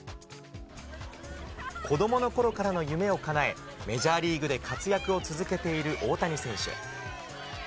子どものころからの夢をかなえ、メジャーリーグで活躍を続けている大谷選手。